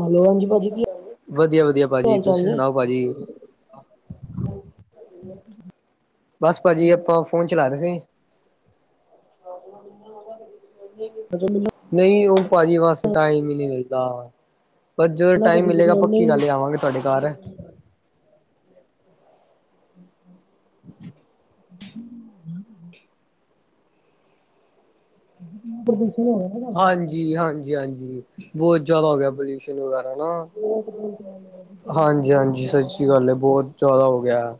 Hello ਹਾਂਜੀ ਭਾਜੀ ਕੀ ਵਧੀਆ ਵਧੀਆ ਭਾਜੀ, ਹਾਲ ਚਾਲ ਤੁਸੀਂ ਨੇ ਸੁਣਾਓ ਭਾਜੀ। ਬਸ ਭਾਜੀ, ਆਪਾਂ ਫੋਨ ਚਲਾ ਰਹੇ ਸੀ। ਹ ਮ। [inaudible] ਨਹੀਂ ਓ ਭਾਜੀ, ਬੱਸ ਟਾਈਮ ਹੀ ਨਹੀਂ ਮਿਲਦਾ। ਬਸ ਜਦੋਂ ਟਾਈਮ ਕਦੀ ਤੁਸੀਂ ਮਿਲੇਗਾ, ਆਉਂਦੇ ਹੀ ਪੱਕੀ ਨਹੀਂ ਗਲ ਐ, ਆਵਾਂਗੇ ਤੁਹਾਡੇ ਘਰ। ਹੂੰ। [unintelligible] ਹਾਂਜੀ, ਹਾਂਜੀ, ਹਾਂਜੀ, ਬੋਤ ਜਾਦਾ ਹੋ ਗਿਆ ਪੋਲਿਊਸ਼ਨ ਵਗੈਰਾ ਨਾ। ਬੋਤ ਬੋਤ [unintelligible] ਬੋਤ ਚੌਦਾਂ ਹੋ ਗਿਆ।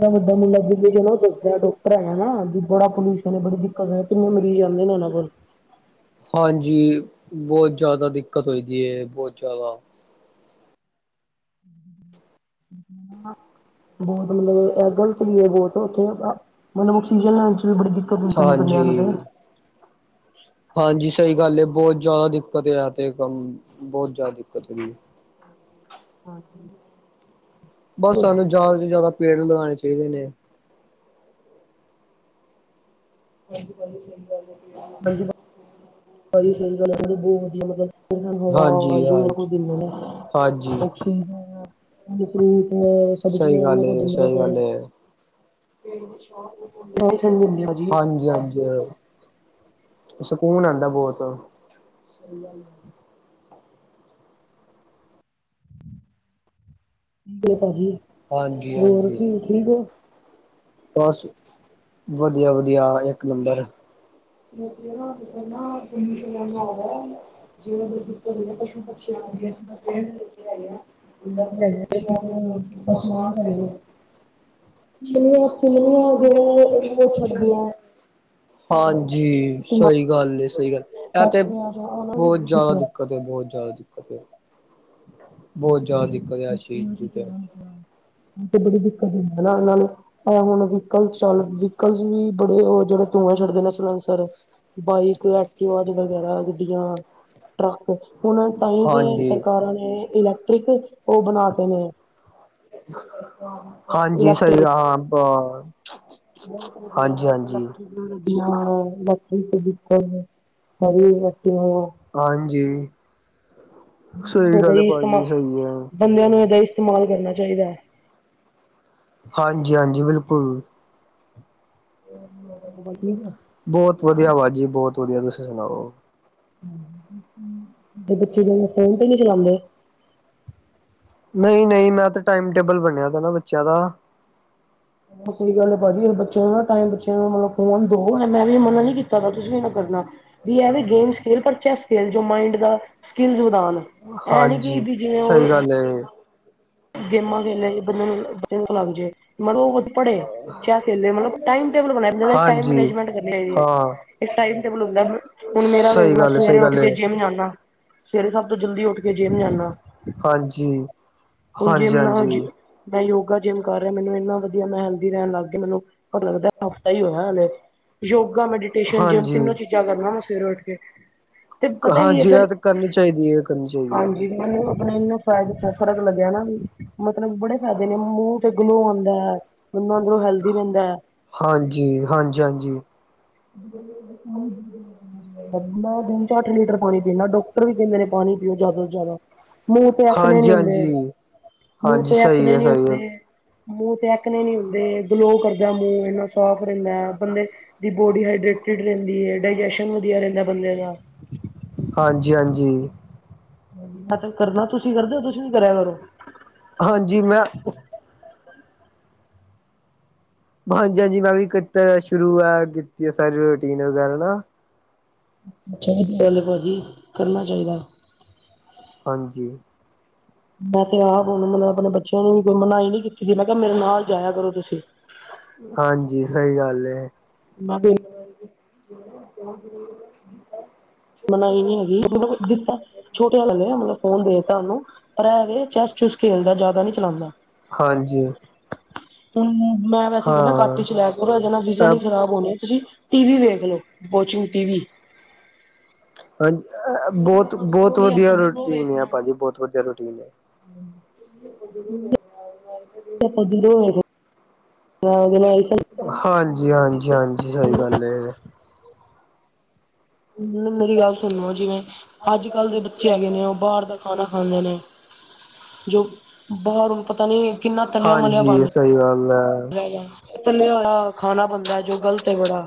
ਤਾਂ ਬੱਡਾ ਮੁੰਡਾ ਜ ਚਲੋ ਦੱਸਦ ਡਾਕਟਰ ਐ ਨਾ ਵੀ ਬੜਾ ਪੋਲਿਊਸ਼ਨ। ਪਹਿਲੇ ਬੜੀ ਦਿੱਕਤ ਆਈ, ਕਿੰਨੇ ਮਰੀਜ਼ ਆਂਦੇ ਨੇ ਉਹਨਾਂ ਕੋਲ। ਹਾਂਜੀ, ਬੋਤ ਜਾਦਾ ਦਿੱਕਤ ਹੋਈ ਦੀ ਐ, ਬੋਤ ਜਾਦਾ। ਹੁੰ। ਬੋਤ ਮਤਲਬ ਇਹ ਗਲਤ ਵੀ ਐ, ਬੋਤ ਉੱਥੇ। ਮਤਲਬ ਚੀਜਾਂ ਲੈਣ ਚ ਵੀ ਬੜੀ ਦਿੱਕਤਈ ਬੰਦਿਆਂ ਨੂੰ ਤੇ ਹਾਂਜੀ [unintelligible] ਹਾਂਜੀ, ਸਹੀ ਗੱਲ ਐ, ਬੋਤ ਜਾਦਾ ਦਿੱਕਤ ਆ ਤੇ ਕੰਮ, ਬੋਤ ਜਾਦਾ ਦਿੱਕਤ। ਹਾਂਜੀ। ਬਸ ਸਾਨੂੰ ਜਾਦਾ ਤੋਂ ਜਾਦਾ ਪੇੜ ਲਗਾਣੇ ਚਾਹੀਦੇ ਨੇ। [unintelligible] ਹਾਂਜੀ ਜੀ, ਸਹੀ ਗੱਲ ਬਹੁਤ ਵਧੀਆ ਮਤਲਬ। ਫੇਰ ਸਾਨੂੰ ਹਵਾ ਹਾਂਜੀ ਵਾਯੂ ਇੰਨਾ ਹਾਂਜੀ ਕੁੱਛ ਦਿੰਦੇ ਹਾਂਜੀ ਨੇ। ਫੂਟ ਨੇ, ਸਬਜ਼ੀਆਂ ਨੇ [unintelligible] ਰਾਸ਼ਨ ਦਿੰਦੇ ਆ ਜੀ ਹਾਂਜੀ-ਹਾਂਜੀ। ਸਕੂਨ ਆਂਦਾ ਬੋਤ। ਹੁੰ। ਪਾਜੀ ਹਾਂਜੀ ਹੋਰ ਹਾਂਜੀ ਠੀਕ ਠੀਕ ਹੋ। ਬਸ ਵਧੀਆ ਵਧੀਆ ਇੱਕ ਨੰਬਰ। [unintelligible] ਜੀਵਨ ਵਿੱਚ ਕੀ ਚਾਹੀਦਾ ਪਸ਼ੂ, ਪੰਛੀਆਂ [unintelligible] ਹੈਗੀ ਆਂ। [unintelligible] ਪੁੱਛਿਆ [unintelligible] ਸਮਾਨ ਚਲੇ ਨੇ ਇਮਲੀਆਂ ਜਿੰਨੀਆਂ ਚਿਮਲੀਆਂ ਜਿੰਨੀਆਂ ਜਿਹੜਾ ਜਿਹੜੇ ਉਹ ਬਹੁਤ ਛੱਡਦੀਆਂ ਚਾਹੀਦਾ ਐ। ਹਾਂਜੀ, ਸਹੀ ਗੱਲ ਐ, ਸਹੀ ਗੱਲ, ਇਹ ਤੇ ਫੈਕਟਰੀਆਂ ਚ ਉਹਨਾਂ ਦੀ ਬੜੀ ਬੋਤ ਜਾਦਾ ਦਿੱਕਤ ਦਿੱਕਤ ਐ ਬੋਤ ਜਾਦਾ ਦਿੱਕਤ ਐ। ਹਾਂਜੀ, ਫੈਕਟਰੀਆਂ ਚੋਂ ਧੂੰਆਂ ਹੀ ਖ਼ਰਾਬ ਤੇ ਬੜੀ ਦਿੱਕਤ ਹੁੰਦੀ ਨਾ ਇਹਨਾਂ ਨੂੰ ਤਾਂ ਹੁਣ [inaudible] ਕੱਲ [unintelligible] ਉਹ ਜਿਹੜੇ ਧੂੰਆਂ ਛੱਡਦੇ ਸਲੈਸਰ। ਬਾਈਕ, ਐਕਟਿਵਾ ਵਗੈਰਾ ਗੱਡੀਆਂ। ਟਰੱਕ ਹੁਣ ਤਾਈ ਤੇ ਹਾਂਜੀ ਸਰਕਾਰਾਂ ਨੇ ਇਲੈਕਟ੍ਰਿਕ ਉਹ ਬਣਾ ਤੇ ਨੇ। ਹਾਂ। ਹਾਂਜੀ, ਸਹੀ ਇਲੈਕਟ੍ਰਿਕ ਹਾਂ, ਹਾਂ, ਬਾ, ਬਹੁਤ ਵਧੀਆ ਹੈ, ਹਾਂਜੀ-ਹਾਂਜੀ। [unintelligible] ਹਾਂਜੀ, ਸਹੀ ਇਹਦਾ ਗੱਲ ਏ ਹੀ ਇਸਤੇਮਾਲ ਪਾਜੀ ਸਹੀ ਐ। ਬੰਦਿਆਂ ਨੂੰ ਇਹਦਾ ਹੀ ਇਸਤੇਮਾਲ ਕਰਨਾ ਚਾਹੀਦਾ ਐ। ਹਾਂਜੀ-ਹਾਂਜੀ, ਬਿਲਕੁਲ। ਠੀਕ ਹੈ ਬੋਤ ਵਧੀਆ ਪਾਜੀ ਬੋਤ ਵਧੀਆ ਤੁਸੀਂ ਸੁਣਾਓ। ਤੇ ਬੱਚੇ ਜਾਦਾ ਫੋਨ ਤੇ ਨੀ ਚਲਾਂਦੇ। ਨਹੀਂ-ਨਹੀਂ, ਮੈਂ ਤੇ ਟਾਈਮ ਟੇਬਲ ਬਣਿਆ ਦਾ ਨਾ ਬੱਚਿਆਂ ਦਾ। ਬ ਸਹੀ ਗੱਲ ਏ ਪਾਜੀ ਬੱਚੇ [unintelligible] ਟਾਈਮ ਬੱਚਿਆਂ ਨੂੰ ਮਤਲਬ ਫੋਨ ਦੋ, ਮੈਂ ਵੀ ਮੰਨਾ ਨੀ ਕੀਤਾ ਤੁਸੀਂ ਵੀਂ ਨਾ ਕਰਨਾ। ਵੀ ਇਹ ਵੀ, ਗੇਮਸ ਖੇਲ ਪਰ ਚੈਸ ਖੇਲ, ਜੋ ਮਾਈਂਡ ਦਾ ਸਕਿੱਲਜ਼ ਵਧਾਣ। ਐ ਨਹੀਂ ਕਿ ਹਾਂਜੀ ਵੀ ਜਿਵੇ ਸਹੀ ਉਹ। ਗੱਲ ਹੈ ਗੇਮਾਂ ਖੇਲਿਆ ਬੰਦੇ ਨੂੰ ਬੱਚ ਨੂੰ ਲੱਗ ਜਾਏ ਮਤਲਬ ਉਹ ਵਧੀਆ। ਪੜੇ ਚਾਹੇ ਖੇਲੇ ਟਾਈਮ ਮੈਨੇਜਮੈਂਟ ਮਤਲਬ ਟਾਈਮ ਟੇਬਲ ਬਣਿਆ ਹਾਂਜੀ ਹੋਵੇ। ੇ ਹਾਂ ਇੱਕ ਟਾਈਮ ਟੇਬਲ ਹੁੰਦਾ ਹੁਣ ਮੇਰਾ ਵੇਖ ਲਓ ਸਹੀ ਮੈਂ ਗੱਲ ਹੈ ਸਹੀ ਸਵੇਰੇ ਉੱਠ ਗੱਲ ਕੇ ਹੈ ਜਿੰਮ ਜਾਂਦਾ। ਸਵੇਰੇ ਸਬ ਤੋਂ ਜਲਦੀ ਉੱਠ ਕੇ ਜਿਮ ਜਾਂਦਾ। ਹਾਂਜੀ। ਹੁਣ ਹਾਂਜੀ ਜਿੰਮ ਨਾ ਜੀ ਮੈਂ ਯੋਗਾ ਜਿੰਮ ਕਰ ਰਿਹਾ ਮੈਨੂੰ ਇੰਨਾ ਵਧੀਆ ਮੈਂ ਹੈਲਦੀ ਰਹਿ ਲਗ ਗਿਆ ਮੈਨੂੰ ਪਤਾ ਲੱਗਦਾ। ਹਫ਼ਤਾ ਹੀ ਹੋਇਆ ਹਾਲੇ ਯੋਗਾ, ਮੈਡੀਟੇਸ਼ਨ, ਜਿੰਮ ਹਾਂਜੀ ਹਾਂਜੀ ਤਿੰਨੋ ਚੀਜ਼ਾਂ ਕਰਨਾ ਮੈਂ ਸਵੇਰੇ ਉੱਠ ਕੇ। ਤੇ ਪਤਾ ਕੀ ਹੈ ਹਾਂਜੀ ਫਿਰ ਇਹ ਤਾਂ ਕਰਨੀ ਚਾਹੀਦੀ ਹੈ ਕਰਨੀ ਚਾਹੀਦੀ ਹੈ ਹਾਂਜੀ ਮਨੂੰ ਆਪਣਾ ਇਹਨੂੰ ਫਾਇਦਾ। ਫ਼ਰਕ ਲੱਗਿਆ ਨਾ ਵੀ ਮਤਲਬ ਬੜੇ ਫਾਇਦੇ ਨੇ ਮੂੰਹ। ਗਲੋਂ ਆਂਦਾ ਐ, ਉਹਲੋਂ ਹੈਲਦੀ ਰਹਿੰਦਾ ਐ। ਹਾਂਜੀ, ਹਾਂਜੀ ਹਾਂਜੀ। ਮੈਂ ਦਿਨ ਚ ਅੱਠ ਲੀਟਰ ਪਾਣੀ ਪੀਨਾ। ਡਾਕਟਰ ਵੀ ਕਹਿੰਦੇ ਨੇ ਪਾਣੀ ਪੀਓ ਜਿਆਦਾ ਤੋਂ ਜਿਆਦਾ ਮੂੰਹ ਤੇ ਐਕਣੇ ਨੀ ਹਾਂਜੀ ਹੁੰਦੇ। ਹਾਂਜੀ ਮੂੰਹ ਹਾਂਜੀ ਤੇ ਸਹੀ ਐਕਨੇ ਹੈ ਨਹੀਂ ਸਹੀ ਹੈ ਹੁੰਦੇ। ਮੂੰਹ ਤੇ ਐਕਣੇੇ ਨੀ ਹੁੰਦੇ ਗਲੋ ਕਰਦਾ ਮੂੰਹ ਇੰਨਾ ਸਾਫ ਰਹਿੰਦਾ ਬੰਦੇ। ਦੀ ਬੋਡੀ ਹਾਈਡਰੇਟਡ ਰਹਿੰਦੀ ਹੈ ਡਾਇਜੈਸ਼ਨ ਵਧੀਆ ਰਹਿੰਦਾ ਬੰਦੇ ਦਾ। ਹਾਂਜੀ ਹਾਂਜੀ। ਕਰਨਾ ਤੁਸੀਂ ਕਰਦੇ ਹੋ ਤੁਸੀਂ ਵੀ ਕਰਿਆ ਕਰੋ ਹਾਂਜੀ ਮੈਂ ਹਾਂਜੀ ਹਾਂਜੀ ਮੈਂ ਵੀ ਕੀਤਾ ਸ਼ੁਰੂ ਆ ਕੀਤੀ ਆ ਸਾਰੀ ਰੂਟੀਨ ਵਗੈਰਾ ਨਾ। ਸਹੀ ਗੱਲ ਭਾਜੀ ਕਰਨਾ ਚਾਹੀਦਾ। ਹਾਂਜੀ। ਮੈਂ ਤੇ ਆਪ ਹੁਣ ਮਤਲਬ ਆਪਣੇ ਬੱਚਿਆਂ ਨੂੰ ਵੀ ਕੋਈ ਮਨਾਹੀ ਨੀ ਕੀਤੀ ਸੀ ਮੈਂ ਕਿਹਾ ਮੇਰੇ ਨਾਲ ਜਾਇਆ ਕਰੋ ਤੁਸੀਂ। ਹਾਂਜੀ ਸਹੀ ਗੱਲ ਏ। [inaudible] ਮੈਂ ਕਿਹਾ ਮਨਾਈ ਨੀ ਹੈਗੀ ਮਤਲਬ ਦਿੱਤਾ ਛੋਟੇ ਵਾਲੇ ਨੇ ਮਤਲਬ ਫੋਨ ਦੇ ਦਿੱਤਾ ਉਹਨੂੰ। ਪਰ ਇਹ ਵ ਚੈਸ ਚੁਸ ਖੇਲਦਾ ਜ਼ਿਆਦਾ ਨਹੀਂ ਚਲਾਉਂਦਾ। ਹਾਂਜੀ। ਹਮ ਮੈਂ ਵੈਸੇ ਕਹਿੰਦਾ ਕੱਟ ਹਾਂ ਚ ਲੈ ਕੇ ਇਹਦੇ ਨਾਲ ਵੀਜ਼ਾ ਨੀ ਖ਼ਰਾਬ ਹੋਣੇ ਤੁਸੀਂ। ਟੀ ਵੀ ਵੇਖ ਲਓ ਵੋਚਿੰਗ ਟੀ ਵੀ। ਹਾਂਜੀ ਬਹੁਤ ਬਹੁਤ ਨਹੀਂ ਵਧੀਆ ਆਪਾਂ ਦੂਰੋਂ ਰੂਟੀਨ ਆ ਭਾਜੀ ਬਹੁਤ ਵਧੀਆ ਰੂਟੀਨ ਹੈ। ਹਾਂ ਹਮ। ਆਪਾਂ ਦੂਰੋਂ ਹੋਏ ਹਾਂ। ਹਾਂ। ਹਾਂਜੀ, ਹਾਂਜੀ, ਹਾਂਜੀ ਸਹੀ ਗੱਲ ਏ। ਮੈਨੂੰ ਮੇਰੀ ਗੱਲ ਸੁਣੋ ਜਿਵੇਂ ਅੱਜ ਕੱਲ੍ਹ ਦੇ ਬੱਚੇ ਹੈਗੇ ਨੇ ਉਹ ਬਾਹਰ ਦਾ। ਖਾਣਾ ਖਾਂਦੇ ਨੇ ਜੋ ਬਾਹਰ ਉਹ ਪਤਾ ਨੀ ਕਿੰਨਾ ਤਲਿਆ ਮਲਿਆ ਹਾਂਜੀ ਬਣ। ਸਹੀ ਗੱਲ ਹੈ। ਤਲਿਆ ਹੋਇਆ ਖਾਣਾ ਬਣਦਾ ਜੋ ਗ਼ਲਤ ਏ ਬੜਾ।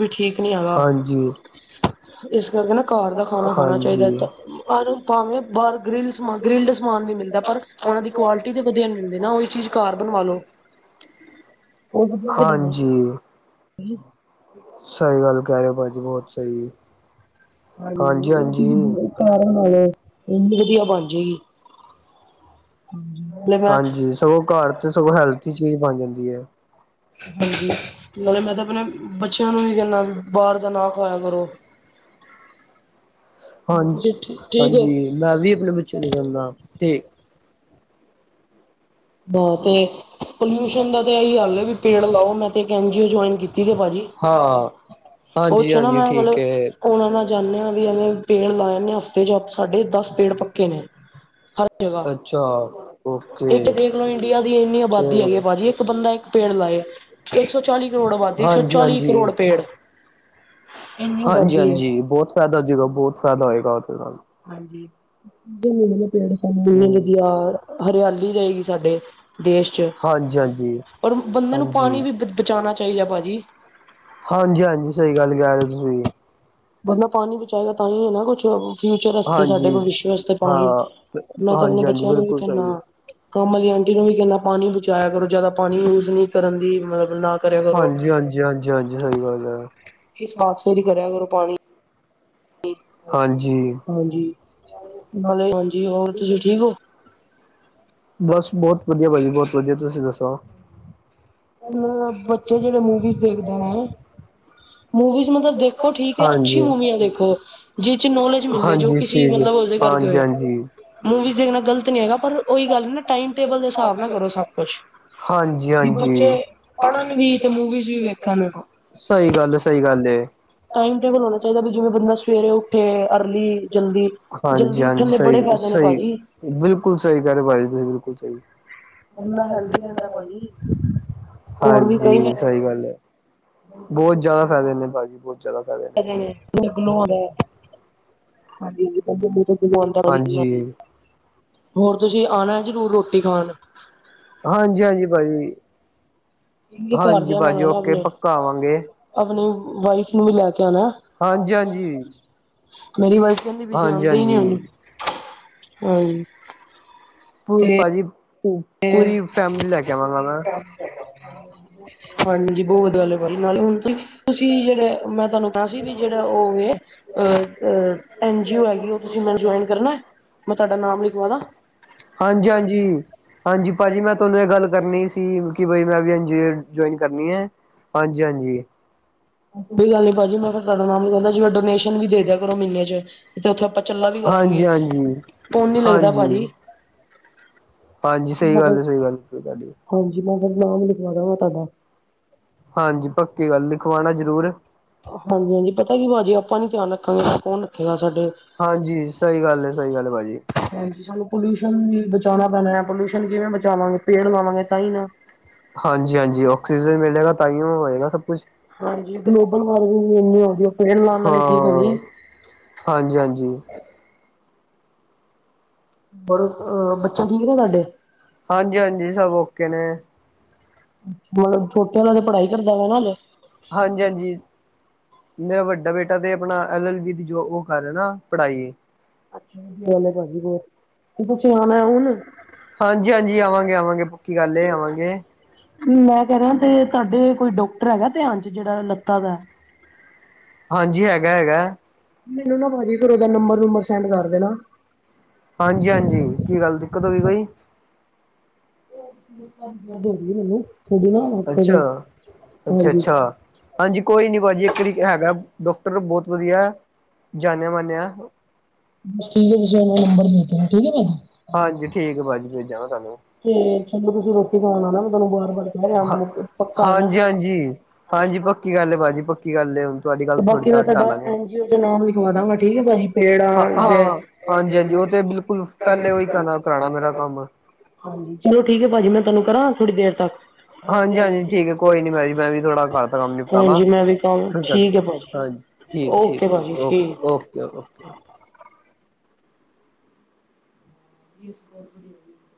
ਵੀ ਠੀਕ ਨਹੀਂ ਹੈਗਾ ਹਾਂਜੀ। ਇਸ ਕਰਕੇ ਨਾ ਘਰ ਦਾ ਖਾਣਾ ਖਾਣਾ ਚਾਹੀਦਾ ਹਾਂਜੀ ਭਾਵੇਂ ਬਾਹਰ ਗਰਿਲ। ਗ੍ਰਿਲਡ ਸਮਾਨ ਵੀ ਮਿਲਦਾ ਪਰ ਉਹਨਾ ਦੀ ਕੁਆਲਿਟੀ ਤੇ ਵਧੀਆ ਮਿਲਦੀ ਨਾ ਉਹ ਹੀ ਚੀਜ਼ ਘਰ ਬਣਾ। ਹੈਲੋ। ਹਾਂਜੀ। ਜ ਸਹੀ ਗੱਲ ਕਹਿ ਰਹੇ ਹੋ, ਭਾਜੀ ਬਹੁਤ ਸਹੀ ਹੈ। ਹਾਂਜੀ, ਉਹ ਘਰ ਬਣਾ ਲਓ ਇੰਨੀ ਵਧੀਆ ਬਣ ਜਾਏਗੀ। ਨਾਲੇ ਮੈਂ ਹਾਂਜੀ, ਸਗੋਂ ਘਰ ਚ ਸਗੋਂ ਹੈਲਥੀ ਚੀਜ਼ ਬਣ ਜਾਂਦੀ ਹੈ। ਹਾਂਜੀ ਨਾਲੇ ਮੈਂ ਤਾਂ ਆਪਣੇ ਬੱਚਿਆਂ ਨੂੰ ਵੀ ਕਹਿੰਦਾ ਵੀ ਬਾਹਰ ਦਾ ਨਾ ਖਵਾਇਆ ਕਰੋ। ਹਾਂ, ਜੀ ਠੀ ਠੀਕ ਹੋ ਹਾਂਜੀ, ਮੈਂ ਵੀ ਆਪਣੇ ਬੱਚੇ ਨੂੰ ਕਹਿੰਦਾ ਤੇ। ਬਹੁਤ ਏ। ਪੋਲਿਊਸ਼ਨ ਦਾ ਤੇ ਇਹੀ ਹੱਲ ਹੈ ਵੀ ਪੇੜ ਲਾਓ ਮੈਂ ਤੇ ਇੱਕ ਐਨ ਜੀ ਓ ਜੁਆਇਨ ਕੀਤੀ ਭਾਜੀ ਹਾਂ ਬਹੁ ਹਾਂਜੀ ਚ ਨਾ ਹਾਂਜੀ ਮੈਂ ਠੀਕ ਮਤਲਬ ਹੈ ਉਹਨਾਂ ਨਾਲ ਜਾਂਦੇ ਹਾਂ ਵੀ ਐਵੇਂ ਪੇੜ ਲਾ ਜਾਂਦੇ ਹਫ਼ਤੇ ਚ ਸਾਡੇ ਦਸ ਪੇੜ ਪੱਕੇ ਨੇ। ਹਾਂ ਅੱਛਾ। ਇੱਕ ਓਕੇ ਦੇਖ ਲਓ ਇੰਡੀਆ ਦੀ ਇੰਨੀ ਆਬਾਦੀ ਹੈਗੀ ਚਲੋ ਭਾਜੀ ਇੱਕ ਬੰਦਾ ਇੱਕ ਪੇੜ ਲਾਏ ਇੱਕ ਸੌ ਚਾਲੀ ਕਰੋੜ ਆਬਾਦੀ ਇੱਕ ਸੌ ਹਾਂਜੀ ਚਾਲੀ ਹਾਂਜੀ ਕਰੋੜ ਪੇੜ। ਇੰਨੀ ਹਾਂਜੀ ਆਬਾਦੀ ਹੈ ਹਾਂਜੀ ਬਹੁਤ ਫ਼ਾਇਦਾ ਹੋ ਜਗਾ ਬਹੁਤ ਫਾਇਦਾ ਹੋਏਗਾ ਉਹ ਦੇ ਨਾਲ ਹਾਂਜੀ ਜਨ ਪਲੇਟਫਾਰਮਨ ਹਮ ਲਗਿਆ ਹਰਿਆਲੀ ਰਹੇਗੀ ਸਾਡੇ ਦੇਸ਼ ਚ ਹਾਂਜੀ ਹਾਂਜੀ ਰ ਬੰਦੇ ਨੂੰ ਪਾਣੀ ਹਾਂਜੀ ਵੀ ਬ ਬਚਾਉਣਾ ਚਾਹੀਦਾ ਭਾਜੀ ਹਾਂਜੀ ਹਾਂਜੀ ਸਹੀ ਗੱਲ ਕਹਿ ਰਹੇ ਹੋ ਤੁਸੀਂ ਬੰਦਾ ਪਾਣੀ ਬਚਾਏਗਾ ਤਾਂ ਹੀ ਹੈ ਨਾ ਕੁਛ। ਫਿਊਚਰ ਵਾਸਤੇ ਸਾਡੇ ਹਾਂਜੀ ਭਵਿਸ਼ ਵਾਸਤੇ ਹਾਂ ਪਾਣੀ ਮੈਂ ਤਾਂ ਆਪਣੇ ਹਾਂਜੀ ਹਾਂਜੀ ਬੱਚਿਆਂ ਨੂੰ ਵੀ ਬਿਲਕੁਲ ਸਹੀ ਕਹਿੰਦਾ ਕੰਮ ਵਾਲੀ ਆਂਟੀ ਨੂੰ ਵੀ ਕਹਿੰਦਾ ਪਾਣੀ ਬਚਾਇਆ ਕਰੋ ਜਿਆਦਾ ਪਾਣੀ ਯੂਜ ਨਹੀਂ ਕਰਨ ਦੀ ਮਤਲਬ ਨਾ ਕਰਿਆ ਕਰੋ। ਹਾਂਜੀ ਹਾਂਜੀ ਹਾਂਜੀ ਹਾਂਜੀ ਸਹੀ ਗੱਲ ਹੈ। ਇਹ ਸਾਫ਼ ਸਫ਼ਰੀ ਕਰਿਆ ਕਰੋ ਪਾਣੀ। ਠੀਕ ਹਾਂਜੀ ਹਾਂਜੀ ਨਾਲੇ ਹਾਂਜੀ ਹੋਰ ਤੁਸੀਂ ਠੀਕ ਹੋ ਬਸ ਬਹੁਤ ਵਧੀਆ ਭਾਜੀ ਬਹੁਤ ਵਧੀਆ ਤੁਸੀਂ ਦੱਸੋ। ਮਤਲ ਬੱਚੇ ਜਿਹੜੇ ਮੂਵੀਜ਼ ਦੇਖਦੇ ਨੇ ਮੂਵੀਜ਼ ਮਤਲਬ ਦੇਖੋ ਠੀਕ ਹੈ ਅੱਛੀ ਹਾਂਜੀ ਮੂਵੀਆਂ ਦੇਖੋ ਜਿਸ ਚ ਨੋਲੇਜ ਮਿਲਿਆ ਜੋ ਹਾਂਜੀ ਕਿਸੇ ਮਤਲਬ ਹੋ ਠੀਕ ਹਾਂਜੀ ਹਾਂਜੀ ਮੂਵੀਜ਼ ਦੇਖਣਾ ਗ਼ਲਤ ਨੀ ਹੈਗਾ ਪਰ ਉਹੀ ਗੱਲ ਨ ਨਾ ਟਾਈਮ ਟੇਬਲ ਦੇ ਹਿਸਾਬ ਨਾਲ ਕਰੋ ਸਭ ਕੁਛ ਹਾਂਜੀ ਹਾਂਜੀ ਪੜ੍ਹਨ ਵੀ ਤੇ ਮੂਵੀਜ਼ ਵੀ ਵੇਖਣ। ਸਹੀ ਗੱਲ ਸਹੀ ਗੱਲ। ਟਮ ਟੇਬਲ ਹੋਣਾ ਚਾਹੀਦਾ ਵੀ ਜਿਵੇਂ ਬੰਦਾ ਸਵੇਰੇ ਉੱਠੇ ਅਰਲੀ ਜਲਦੀ ਹਾਂਜੀ ਜਲਦੀ ਹਾਂਜੀ ਉੱਠਣ ਦੇ ਬੜੇ ਸਹੀ ਫਾਇਦੇ। ਨੇ ਸਹੀ ਭਾਜੀ। ਬਿਲਕੁਲ ਸਹੀ ਕਰ ਰਹੇ ਭਾਜੀ ਤੁਸੀਂ ਬਿਲਕੁਲ ਸਹੀ ਬੰਦਾ ਹੈਲਦੀ ਰਹਿੰਦਾ ਭਾਜੀ ਹੋਰ ਵੀ ਕਈ ਹਾਂਜੀ। ਸਹੀ ਗੱਲ ਹੈ ਬਹੁਤ ਜਿਆਦਾ ਫਾਇਦੇ ਨੇ ਭਾਜੀ ਬਹੁਤ ਜ਼ਿਆਦਾ ਫਾਇਦੇ ਨੇ ਹਾਂਜੀ। ਹਾਂਜੀ ਹੋਰ ਤੁਸੀਂ ਆਉਣਾ ਜ਼ਰੂਰ ਰੋਟੀ ਖਾਣ ਹਾਂਜੀ ਹਾਂਜੀ ਭਾਜੀ ਠੀਕ ਹੈ ਹਾਂਜੀ ਘਰਦਿਆਂ ਨਾਲ ਭਾਜੀ ਆਣਾ ਓਕੇ ਆਪਣੇ ਪੱਕਾ ਆਵਾਂਗੇ ਆਪਣੀ ਵਾਈਫ ਨੂੰ ਵੀ ਲੈ ਕੇ ਆਣਾ। ਹਾਂਜੀ ਹਾਂਜੀ ਮੇਰੀ ਵਜ਼ ਕਹਿੰਦੀ ਪ ਆਉਂਦੇ ਹੀ ਨੀ ਆਦੇ ਹਾਂਜੀ-ਹਾਂਜੀ ਹਾਂਜੀ। ਭਾਜੀ ਤੇ ਪੂਰੀ ਫੈਮਲੀ ਲੈ ਕੇ ਆਵਾਂਗਾ ਮੈਂ ਹਾਂਜੀ ਬਹੁਤ ਗੱਲ ਹੈ ਬੀ ਨਾਲੇ ਹੁਣ ਤਸੀ ਤੁਸੀਂ ਜਿਹੜੇ ਮੈਂ ਤੁਹਾਨੂੰ ਕਿਹਾ ਸੀ ਵੀ ਜਿਹੜਾ ਉਹ ਇਹ ਐਨ ਜੀ ਓ ਹੈਗੀ ਉਹ ਤੁਸੀਂ ਮੈਨੂੰ ਜਇਨ ਕਰਨਾ ਮੈਂ ਤੁਹਾਡਾ ਨਾਮ ਲਿਖਵਾਦਾ ਹਾਂਜੀ ਹਾਂਜੀ ਹਾਂਜੀ ਭਾਜੀ ਮੈਂ ਤੁਹਾਨੂੰ ਇਹ ਗੱਲ ਕਰਨੀ ਸੀ। ਕਿ ਬ ਮੈਂ ਜੁਆਇਨ ਕਰਨੀ ਹੈ ਹਾਂਜੀ ਹਾਂਜੀ ਕੋਈ ਗੱਲ ਨੀ ਭਾਜੀ ਮੈਂ ਫਿਰ ਤੁਡਾ ਨਾਮ ਵੀ ਕਹਿੰਦਾ ਜਿਵੇਂ ਡੋਨੇਸ਼ਨ ਵੀ ਦੇ ਦਿਆ ਕਰੋ ਮਹੀਨੇ ਚ ਉੱਥੇ ਆਪਾਂ ਚੱਲਾ ਵੀ ਹਾਂਜੀ-ਹਾਂਜੀ, ਹਾਂਜੀ। ਕਰਾਂਗੇ ਹਾਂਜੀ ਪੋਣ ਨੀ ਲੱਗਦਾ ਭਾਜੀ ਹਾਂਜੀ ਹਾਂਜੀ ਸਹੀ ਗੱਲ ਹੈ ਸਹੀ ਗੱਲ ਤੁ ਤੁਹਾਡੀ ਹਾਂਜੀ ਮੈਂ ਤੁਹਾਨੂੰ ਨਾਮ ਲਿਖਵਾਉਦਾ ਵਾਂ ਤੁਹਾਡਾ। ਹਾਂਜੀ ਪੱਕੀ ਗੱਲ ਲਿਖਵਾਉਣਾ ਜ਼ਰੂਰ। ਹਾਂਜੀ ਹਾਂਜੀ, ਪਤਾ ਕੀ ਵਾ ਜੀ ਆਪਾਂ ਨੀ ਧਿਆਨ ਰੱਖਾਂਗੇ, ਕੌਣ ਰੱਖੇਗਾ ਸਾਡੇ ਹਾਂਜੀ। ਸਹੀ ਗੱਲ ਹੈ, ਸਹੀ ਗੱਲ ਹੈ ਭਾਜੀ। ਹਾਂਜੀ, ਸਾਨੂੰ ਪੋਲਿਊਸ਼ਨ ਵੀ ਬਚਾਉਣਾ ਪੈਣਾ ਹੈ, ਪੋਲਿਊਸ਼ਨ ਕਿਵੇਂ ਬਚਾਵਾਂਗੇ ਪੇੜ ਲਵਾਂਗੇ ਤਾਂ ਹੀ ਨਾ। ਹਾਂਜੀ, ਹਾਂਜੀ ਆਕਸੀਜਨ ਮਿਲੇਗਾ, ਤਾਂ ਹੀ ਉਹ ਹੋਏਗਾ ਸਭ ਕੁਛ। ਹਾਂਜੀ ਗਲੋਬਲ ਵਾਰਮਿੰਗ ਇੰਨੀ ਹੋ ਰਹੀ ਹੈ ਪੇੜ ਲਾਉਣ ਨਾਲ ਹੀ ਠੀਕ ਹੋਣੀ ਹੈ। ਹਾਂ। ਹਾਂਜੀ, ਹਾਂਜੀ। ਬ ਅ ਬੱਚੇ ਠੀਕ ਨੇ ਤੁਹਾਡੇ? ਹਾਂਜੀ, ਹਾਂਜੀ ਸਭ ਓਕੇ ਨੇ। ਮਤਲਬ, ਛੋਟੇ ਵਾਲਾ ਦੇ ਪੜ੍ਹਾਈ ਕਰਦਾ ਵਾ ਨਾ ਹਲੇ। ਹਾਂਜੀ, ਹਾਂਜੀ। ਮੇਰਾ ਵੱਡਾ ਬੇਟਾ ਤੇ ਆਪਣਾ ਐਲ, ਐਲਵੀ ਜੋ ਉਹ ਕਰ ਨਾ ਪੜ੍ਹਾਈ। ਪਹਿਲਾਂ ਭਾਜੀ ਬਹੁਤ ਤੁਸੀਂ ਆਉਣਾ ਹੁਣ ਹਾਂਜੀ ਹਾਂਜੀ ਆਵਾਂਗੇ ਆਵਾਂਗੇ ਪੱਕੀ ਗੱਲ ਏ ਆਵਾਂਗੇ [unintelligible] ਮੈਂ ਕਹਿ ਰਿਹਾ ਤੇ ਤੁਹਾਡੇ ਕੋਈ ਡਾਕਟਰ ਹੈਗਾ ਧਿਆਨ ਚ, ਜਿਹੜਾ ਲੱਤਾ ਦਾ ਏ। ਹਾਂਜੀ ਹੈਗਾ ਹੈਗਾ ਮੈਨੂੰ ਨਾ [unintelligible] ਬਧੀ ਫਿਰ ਉਹਦਾ ਨੰਬਰ, ਨੁੰਬਰ ਸੈਂਡ ਕਰ ਦੇਨਾ। ਹਾਂਜੀ, ਹਾਂਜੀ ਕੀ ਗੱਲ ਦਿੱਕਤ ਹੋ ਗਈ ਕੋਈ। ਜ਼ਰੂਰੀ ਮੈਨੂੰ ਤੁਹਾਡੀ ਨਾ ਹਫ਼ਤੇ ਦੇ ਅੱਛਾ, ਅੱਛਾ ਹਾਂਜੀ ਅੱਛਾ। ਹਾਂਜੀ, ਕੋਈ ਨੀ ਭਾਜੀ ਇੱਕੜੀ ਹੈਗਾ ਡੋਕਟਰ ਬਹੁਤ ਵਧੀਆ ਏ। ਜਾਣਿਆ ਮਨਿਆਾਂ। ਬਸ, ਠੀਕ ਹੈ ਤੁਸੀਂ ਅਪਨਾ ਨੰਬਰ ਦੇ ਹੋ ਠੀਕ ਹੈ ਭੀ। ਹਾਂਜੀ, ਠੀਕ ਭਾਜੀ ਭੇਜਾਂ ਵ ਤੁਹਾਨੂੰ। ਤੇ ਸਾਮੀ ਤੁਸੀਂ ਰੋਟੀ ਖਾਣ ਆ ਨਾ ਮੈਂ, ਤੁਹਾਨੂੰ ਬਾਰ ਵਾਰ ਕਹਿ ਰਿਹਾ ਪੱਕਾ ਆਨਾ ਹਾਂਜੀ ਹਾਂਜੀ ਹਾਂਜੀ ਪੱਕੀ ਗੱਲ ਹੈ ਭਾਜੀ ਪੱਕੀ ਗੱਲ ਹੈ ਹੁਣ ਤੁਹਾਡੀ ਤੇ, ਗੱਲ ਥੋੜੀ ਬਾਕੀ ਮੈਂ ਤੁਹਾਡਾ ਟਾਲਾਂਗੇ ਐਨ ਜੀ ਓ ਨ ਲਿਖਾ ਦਾਂਗਾ ਠੀਕ ਹੈ ਭਾਜੀ ਪੇੜ ਆ। ਹਾਂ ਹਹ ਦੇ [unintelligible] ਹਾਂ ਹਾਂਜੀ ਹਾਂਜੀ ਉਹ ਤੇ ਬਿਲਕੁਲ [unintelligible] ਪਹਿਲੇ ਉਹੀ ਕਰਨਾ ਕਰਾਉਣਾ ਮੇਰਾ ਕੰਮ ਹਾਂਜੀ, ਚਲੋ ਠੀਕ ਹੈ ਭਾਜੀ, ਮੈਂ ਤੁਹਾਨੂੰ ਕਰਾਂ ਥੋੜੀ ਦੇਰ ਤੱਕ। ਹਾਂਜੀ, ਹਾਂਜੀ ਠੀਕ ਹੈ ਕੋਈ ਨੀ ਮੈਂ ਜੀ ਮੈਂ ਵੀ ਥੋੜਾ ਘਰ ਦਾ ਕੰਮ ਨਿਪਟਾਲਾ ਹਾਂਜੀ ਮੈਂ ਵੀ ਕੰਮ ਠੀਕ ਹੈ ਭਾਜੀ ਹਾਂਜੀ। ਠੀਕ, ਠੀਕ ਓਕੇ ਭਾਜੀ ਓਕੇ, ਠੀਕ ਓਕੇ ਓਕੇ। ਇਸਸ ਕੋ ਸਕਗੀ [unintelligible]